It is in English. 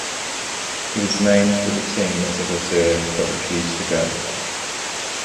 He was named to the team as a reserve, but refused to go.